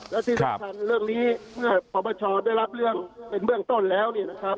และที่จัดการเรื่องนี้เมื่อปปชได้รับเป็นเรื่องต้นแล้ว